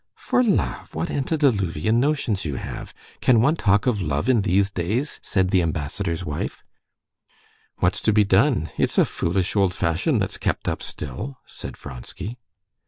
"For love? What antediluvian notions you have! Can one talk of love in these days?" said the ambassador's wife. "What's to be done? It's a foolish old fashion that's kept up still," said Vronsky.